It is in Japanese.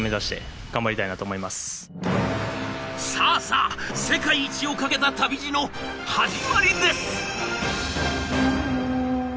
さあさあ、世界一をかけた旅路の始まりです！